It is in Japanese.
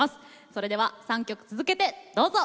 それでは、３曲続けて、どうぞ。